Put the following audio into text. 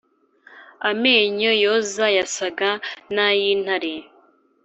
amenyo yazo yasaga n’ay’intare.